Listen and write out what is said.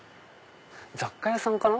雑貨屋さんかな？